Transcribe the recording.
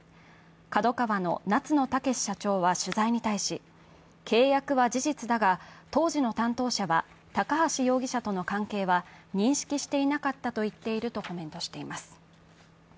ＫＡＤＯＫＡＷＡの夏野剛社長は取材に対し、契約は事実だが、当時の担当者は高橋容疑者との関係は認識していなかったと言っているとコメントしています。